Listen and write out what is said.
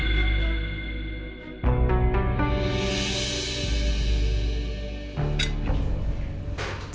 saya akan menang